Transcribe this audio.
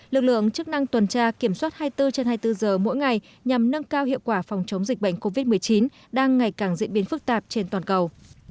lực lượng chức năng tuần tra kiểm soát hai mươi bốn trên hai mươi bốn giờ mỗi ngày nhằm nâng cao hiệu quả phòng chống dịch bệnh covid một mươi chín đang ngày càng diễn biến phức tạp trên toàn cầu